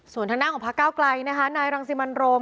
ส่วนทางหน้าของพักก้าวไกลนะครับนายรังซีมันโรม